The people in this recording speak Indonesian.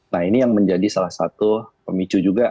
nah ini yang menjadi salah satu pemicu juga